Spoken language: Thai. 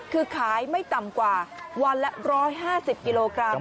คือขายไม่ต่ำกว่าวันละร้อยห้าสิบกิโลกรัม